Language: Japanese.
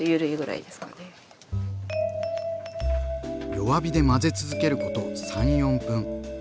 弱火で混ぜ続けること３４分。